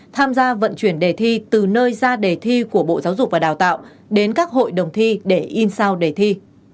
tham gia vận chuyển đề thi từ nơi ra đề thi của bộ giáo dục và đào tạo đến các hội đồng thi để in sao đề thi